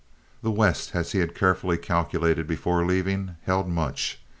The West, as he had carefully calculated before leaving, held much.